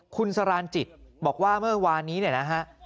คุณสรานจิตบอกว่าเมื่อวานนี้เนี่ยนะฮะ